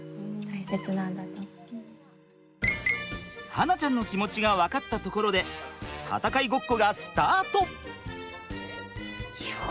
巴梛ちゃんの気持ちが分かったところで戦いごっこがスタート！